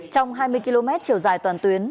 trong hai mươi km chiều dài toàn tuyến